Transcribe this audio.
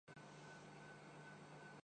مجھے اس سے کوئی فرق نہیں پڑتا۔